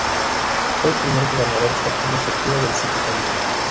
Fue el primer gobernador salteño surgido del sindicalismo.